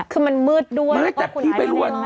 คือมันมืดด้วยก็คุณแม่มันไม่ได้ตกใจ